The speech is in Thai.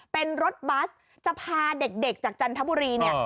เป็นรถบัสจะพาเด็กจากจันทบุรีเนี่ย